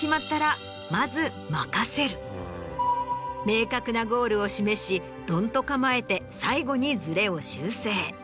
明確なゴールを示しどんと構えて最後にズレを修正。